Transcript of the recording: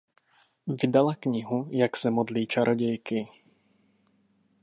Vydala knihu "Jak se modlí čarodějky".